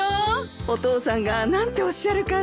お父さんが何ておっしゃるかね。